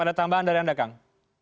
ada tambahan dari anda kang